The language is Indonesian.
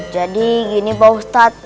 jadi gini pak ustadz